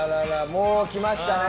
もうきましたね。